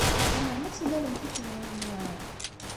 Tzemrem ad tennalem tifednin-nwen?